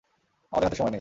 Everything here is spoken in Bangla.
আমাদের হাতে সময় নেই।